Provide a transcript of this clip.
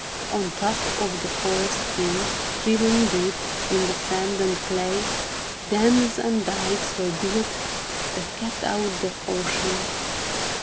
On top of the forest trees, driven deep into the sand and clay, dams and dykes were built, that kept out the ocean.